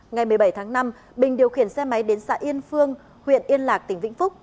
ngày một mươi bảy tháng năm bình điều khiển xe máy đến xã yên phương huyện yên lạc tỉnh vĩnh phúc